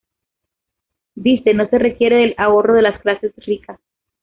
Dice, “No se requiere del ahorro de las clases ricas.